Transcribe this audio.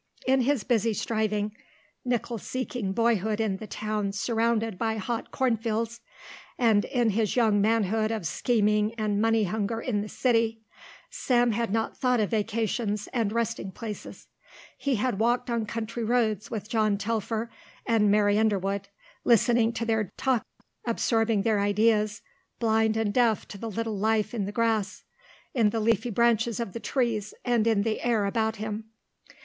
In his busy striving, nickel seeking boyhood in the town surrounded by hot cornfields, and in his young manhood of scheming and money hunger in the city, Sam had not thought of vacations and resting places. He had walked on country roads with John Telfer and Mary Underwood, listening to their talk, absorbing their ideas, blind and deaf to the little life in the grass, in the leafy branches of the trees and in the air about him.